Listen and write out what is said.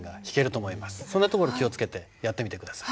そんなところ気を付けてやってみて下さい。